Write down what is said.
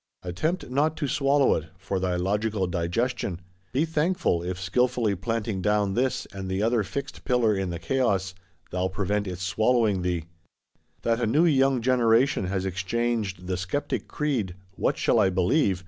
Attempt not to swallow it, for thy logical digestion; be thankful, if skilfully planting down this and the other fixed pillar in the chaos, thou prevent its swallowing thee. That a new young generation has exchanged the Sceptic Creed, _What shall I believe?